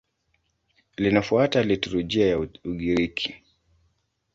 Linafuata liturujia ya Ugiriki.